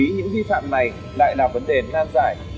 để xử lý những vi phạm này lại là vấn đề nan giải